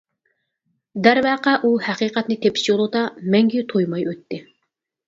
دەرۋەقە، ئۇ ھەقىقەتنى تېپىش يولىدا مەڭگۈ تويماي ئۆتتى.